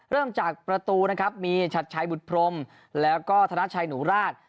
เริ่มจากประตูนะครับมีชัดชัยบุตรพรมแล้วก็ธนาชัยหนูราช